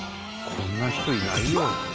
こんな人いないよ。